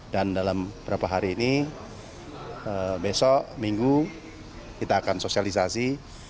dan dalam berapa hari ini besok minggu kita akan sosialisasi